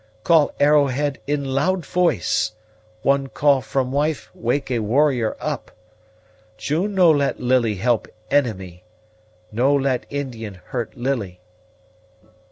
"Call Arrowhead in loud voice. One call from wife wake a warrior up. June no let Lily help enemy no let Indian hurt Lily."